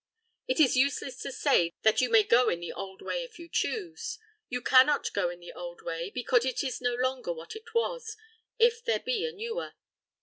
It is useless to say that you may go in the old way if you choose. You cannot go in the old way, because it is no longer what it was, if there be a newer.